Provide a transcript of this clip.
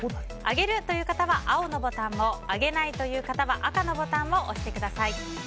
あげるという方は青のボタンをあげないという方は赤のボタンを押してください。